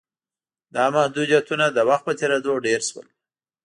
دا محدودیتونه د وخت په تېرېدو ډېر شول.